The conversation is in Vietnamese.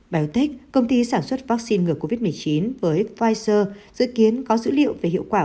biotech công ty sản xuất vaccine ngừa covid một mươi chín với pfizer dự kiến có dữ liệu về hiệu quả